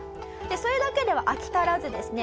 それだけでは飽き足らずですね